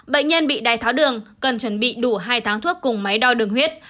bệnh nhân bị đai tháo đường cần chuẩn bị đủ hai tháng thuốc cùng máy đo đường huyết